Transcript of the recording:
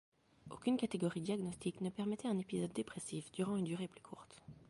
Aucune catégorie diagnostique ne permettait un épisode dépressif durant une durée plus courte.